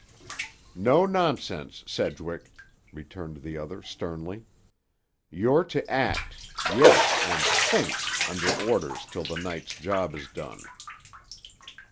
"No nonsense, Sedgwick," returned the other sternly. "You're to act,—yes, and think—under orders till the night's job is done."